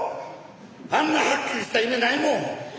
あんなガックリした夢ないもん！